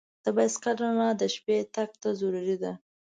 د بایسکل رڼا د شپې تګ ته ضروري ده.